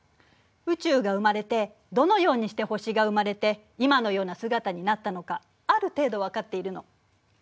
宇宙が生まれてどのようにして星が生まれて今のような姿になったのかある程度分かっているの。